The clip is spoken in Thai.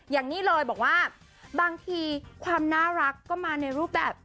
อย่างนี้เลยบอกว่าบางทีความน่ารักก็มาในรูปแบบ